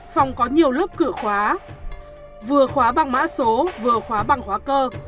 phòng có nhiều lớp cử khóa vừa khóa bằng mã số vừa khóa bằng khóa cơ